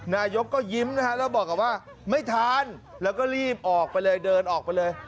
นายกก็ยิ้มนะฮะแล้วบอกกับว่าไม่ทันแล้วก็รีบออกไปเลยเดินออกไปเลย